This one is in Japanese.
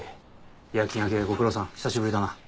夜勤明けご苦労さん久しぶりだな。